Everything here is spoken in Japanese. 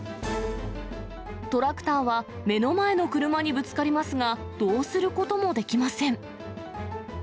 トラクターは目の前の車にぶつかりますが、どうすることもできません。